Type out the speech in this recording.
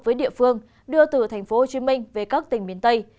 với địa phương đưa từ tp hcm về các tỉnh miền tây